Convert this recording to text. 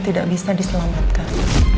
tidak bisa diselamatkan